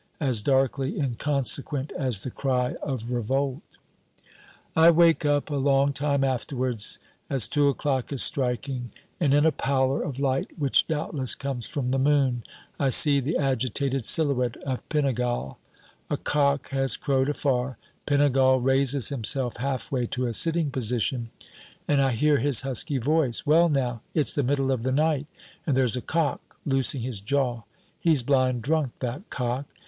as darkly inconsequent as the cry of revolt. I wake up a long time afterwards, as two o'clock is striking; and in a pallor of light which doubtless comes from the moon, I see the agitated silhouette of Pinegal. A cock has crowed afar. Pinegal raises himself halfway to a sitting position, and I hear his husky voice: "Well now, it's the middle of the night, and there's a cock loosing his jaw. He's blind drunk, that cock."